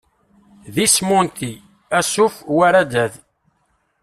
D isem unti, asuf, war addad.